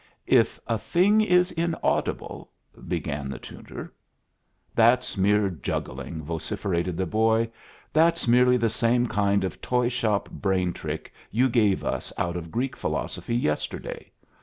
"If a thing is inaudible " began the tutor. "That's mere juggling!" vociferated the boy, "That's merely the same kind of toy shop brain trick you gave us out of Greek philosophy yesterday.